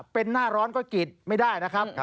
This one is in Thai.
เป็นหน้าร้อนก็กรีดไม่ได้นะครับ